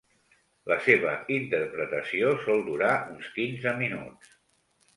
La seva interpretació sol durar uns quinze minuts.